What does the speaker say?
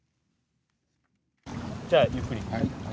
じゃあ、ゆっくり。